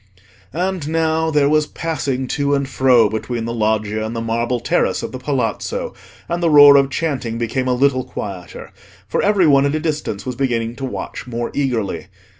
And now there was passing to and fro between the Loggia and the marble terrace of the Palazzo, and the roar of chanting became a little quieter, for every one at a distance was beginning to watch more eagerly.